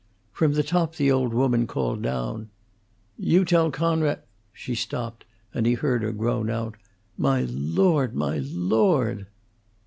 From the top the old woman called down, "You tell Coonrod " She stopped, and he heard her groan out, "My Lord! my Lord!"